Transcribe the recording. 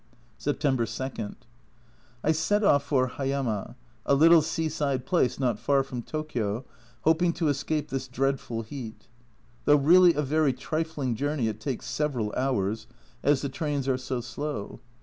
September 2. I set off for Hayama, a little seaside place not far from Tokio, hoping to escape this dreadful heat. Though really a very trifling journey, it takes several hours, as the trains are so slow.